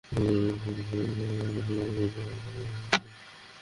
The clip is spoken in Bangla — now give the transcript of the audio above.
তোমরা জানো, ভায়া।